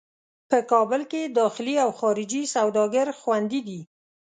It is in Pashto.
په کابل کې داخلي او خارجي سوداګر خوندي دي.